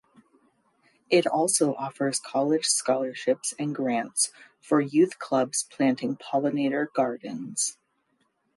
It also offers college scholarships and grants for youth clubs planting pollinator gardens.